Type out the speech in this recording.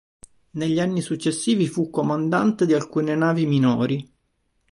Negli anni successivi fu comandante di alcune navi minori.